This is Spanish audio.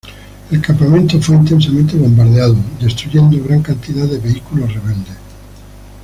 El campamento fue intensamente bombardeado, destruyendo gran cantidad de vehículos rebeldes.